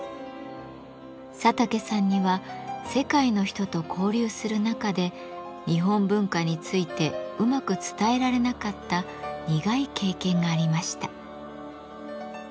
佐竹さんには世界の人と交流する中で日本文化についてうまく伝えられなかった苦い経験がありました。